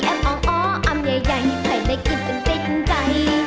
แอบอ้องอ้ออำใหญ่ใหญ่ปายได้กินเป็นติดใจ